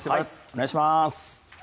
お願いします